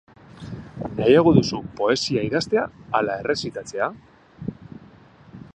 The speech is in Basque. Nahiago duzu poesia idaztea ala errezitatzea?